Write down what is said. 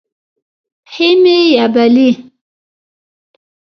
پښې مې یبلي